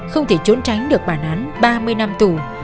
không thể trốn tránh được bản án ba mươi năm tù